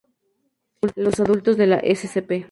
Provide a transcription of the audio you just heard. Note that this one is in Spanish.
Los adultos de la ssp.